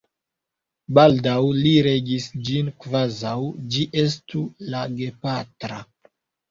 Baldaŭ li regis ĝin kvazaŭ ĝi estu la gepatra.